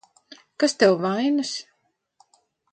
Kas tev vainas?